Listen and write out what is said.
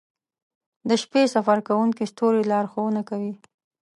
• د شپې سفر کوونکي ستوري لارښونه کوي.